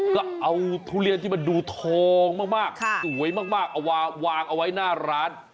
ก็เอาทุเรียนที่มันดูทองมากสวยมากเอามาวางเอาไว้หน้าร้าน